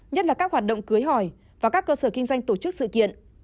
nhất là các hoạt động cưới hỏi và các cơ sở kinh doanh tổ chức sự kiện